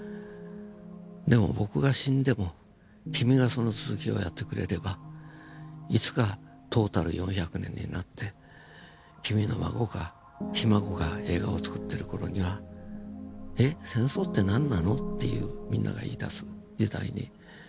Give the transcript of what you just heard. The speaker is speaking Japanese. でも僕が死んでも君がその続きをやってくれればいつかトータル４００年になって君の孫がひ孫が映画をつくってる頃には「えっ戦争って何なの？」っていうみんなが言いだす時代になる。